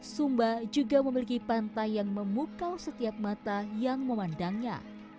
sumba juga memiliki pantai yang memukau setiap mata yang memandangnya